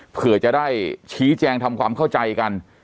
เผื่อจะได้ชี้แจงทำความเข้าใจกัน